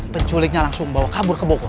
penculiknya langsung bawa kabur ke bogor